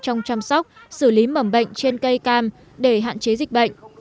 trong chăm sóc xử lý mầm bệnh trên cây cam để hạn chế dịch bệnh